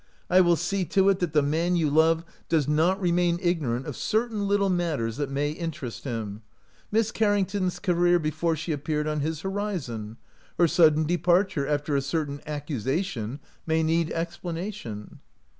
" I will see to it that the man you love does not remain ignorant of certain little matters that may interest him. Miss Carrington's career before she ap peared on his horizon. Her sudden de parture after a certain accusation may need explanation."